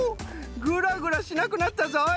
グラグラしなくなったぞい。